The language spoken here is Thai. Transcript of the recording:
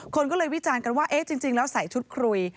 คนก็เลยวิจารณ์กันว่าเอ๊ะจริงแล้วใส่ชุดคุย